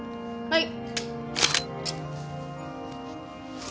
はい。